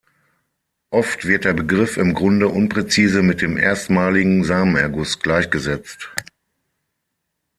Oft wird der Begriff im Grunde unpräzise mit dem erstmaligen Samenerguss gleichgesetzt.